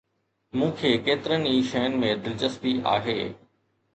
مون کي ڪيترن ئي شين ۾ دلچسپي آهي